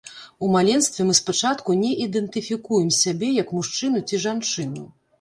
У маленстве мы спачатку не ідэнтыфікуем сябе як мужчыну ці жанчыну.